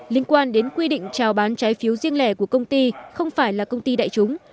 liên quan đến quy định trào bán trái phiếu riêng lẻ của công ty không phải là công ty đại chúng